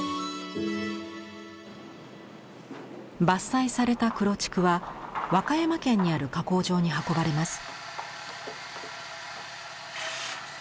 伐採された黒竹は和歌山県にある加工場に運ばれます。